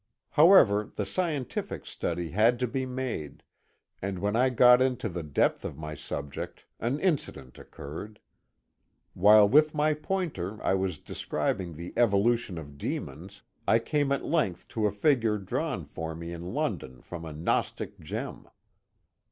However, the scientific study had to be made, and when I got into the depth of my subject an incident occurred. While with my pointer I was describing the evolution of demons, I came at length to a figure drawn for me in London from a gnostic gem.